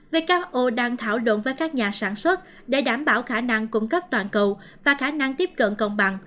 who đang thảo luận với các nhà sản xuất để đảm bảo khả năng cung cấp toàn cầu và khả năng tiếp cận công bằng